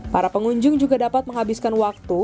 para pengunjung juga dapat menghabiskan waktu